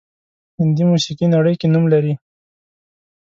هندي موسیقي نړۍ کې نوم لري